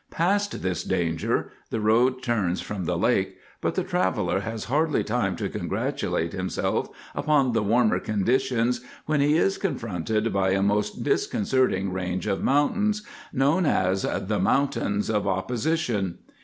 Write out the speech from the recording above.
Past this danger the road turns from the lake, but the traveller has hardly time to congratulate himself upon the warmer conditions when he is confronted by a most disconcerting range of mountains known as the Mountains of Opposition.